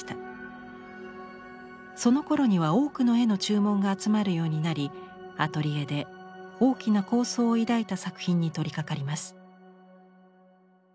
そのころには多くの絵の注文が集まるようになりアトリエで大きな構想を抱いた作品に取りかかります。